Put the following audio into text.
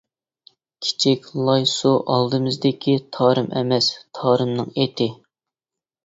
كېچىك لاي سۇ ئالدىمىزدىكى تارىم ئەمەس تارىمنىڭ ئېتى.